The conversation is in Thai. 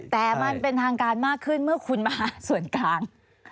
แต่มันเป็นทางการมากขึ้นเมื่อคุณมาส่วนกลาง